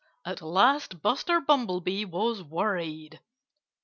At last Buster Bumblebee was worried.